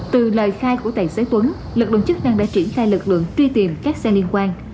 từ lời khai của tài xế tuấn lực lượng chức năng đã triển khai lực lượng truy tìm các xe liên quan